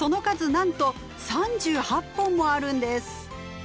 なんと３８本もあるんです！